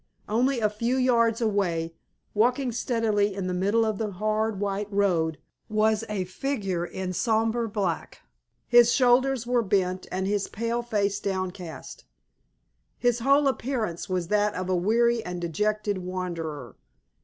Only a few yards away, walking steadily in the middle of the hard, white road, was a figure in sombre black. His shoulders were bent, and his pale face downcast. His whole appearance was that of a weary and dejected wanderer.